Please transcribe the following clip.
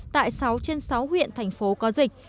tại sáu trên sáu huyện thành phố có dịch